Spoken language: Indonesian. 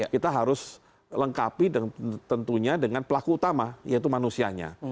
kita harus lengkapi tentunya dengan pelaku utama yaitu manusianya